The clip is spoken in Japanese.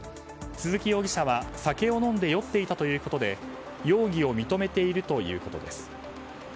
鈴木容疑者は酒を飲んで酔っていたということで容疑を認めているということです。